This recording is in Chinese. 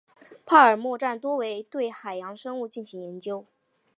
帕尔默站多为对海洋生物进行研究。